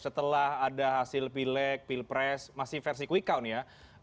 setelah ada hasil pilek pilpres masih versi quick count ya